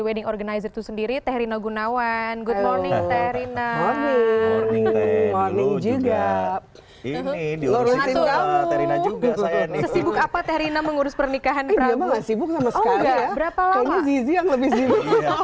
wedding organizer itu sendiri teherina gunawan good morning teherina ini juga ini juga